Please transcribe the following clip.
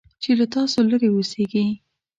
چې له تاسو لرې اوسيږي .